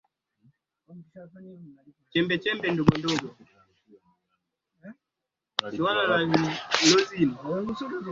mkopo huo unatolewa bila kuchajiwa riba yoyote